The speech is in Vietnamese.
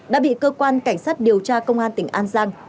đã bị cơ quan cảnh sát điều tra công an tỉnh an giang